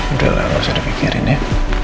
udah lah lo jangan dipikirin ya